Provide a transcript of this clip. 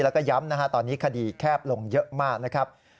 แล้วก็ย้ำนะฮะตอนนี้คดีแคบลงเยอะมากนะครับ